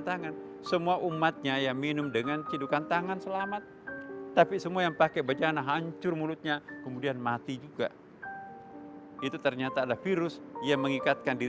janganlah minum dengan menggunakan alat alat yang berbeda